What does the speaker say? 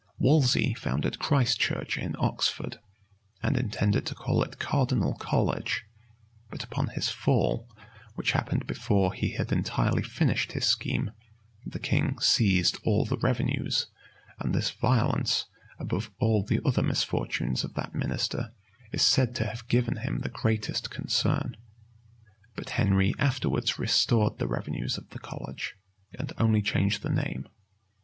Wolsey founded Christ Church in Oxford, and intended to call it Cardinal College: but upon his fall, which happened before he had entirely finished his scheme, the king seized all the revenues; and this violence, above all the other misfortunes of that minister, is said to have given him the greatest concern.[] But Henry afterwards restored the revenues of the college, and only changed the name.